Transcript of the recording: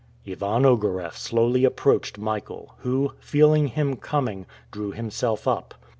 Ivan Ogareff slowly approached Michael, who, feeling him coming, drew himself up.